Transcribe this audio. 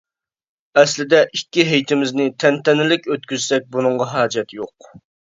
ئەسلىدە ئىككى ھېيتىمىزنى تەنتەنىلىك ئۆتكۈزسەك بۇنىڭغا ھاجەت يوق.